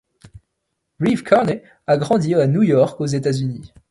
Reeve Carney a grandi à New York, aux États-Unis.